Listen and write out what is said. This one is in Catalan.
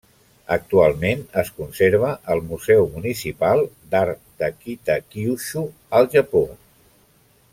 Actualment es conserva al Museu Municipal d'Art de Kitakyūshū, al Japó.